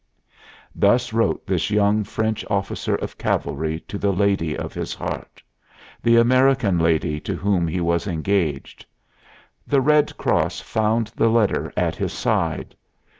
Thus wrote this young French officer of cavalry to the lady of his heart, the American lady to whom he was engaged. The Red Cross found the letter at his side.